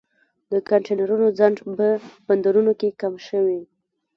د کانټینرونو ځنډ په بندرونو کې کم شوی